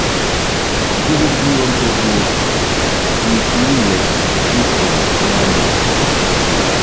Giri giyoh nte duo, schui kiri ywe bi ki twom mfuma na?